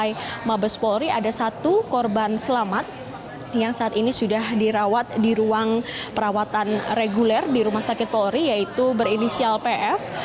di mabes polri ada satu korban selamat yang saat ini sudah dirawat di ruang perawatan reguler di rumah sakit polri yaitu berinisial pf